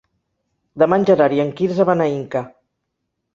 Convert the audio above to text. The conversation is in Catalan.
Demà en Gerard i en Quirze van a Inca.